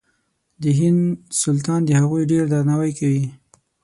د هند سلطان د هغوی ډېر درناوی کوي.